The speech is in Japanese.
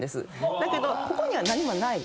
だけどここには何もない。